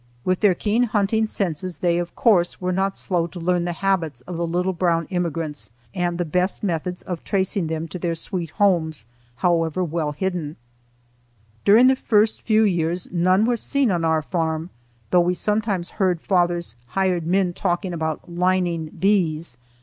With their keen hunting senses they of course were not slow to learn the habits of the little brown immigrants and the best methods of tracing them to their sweet homes, however well hidden. During the first few years none were seen on our farm, though we sometimes heard father's hired men talking about "lining bees."